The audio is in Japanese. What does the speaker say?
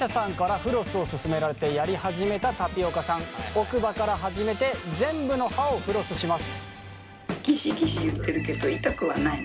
奥歯から始めて全部の歯をフロスします。